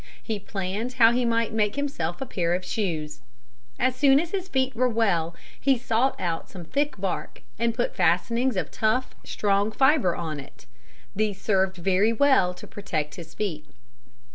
He planned how he might make himself a pair of shoes. As soon as his feet were well, he sought out some thick bark and put fastenings of tough, strong fiber on it. These served very well to protect his feet.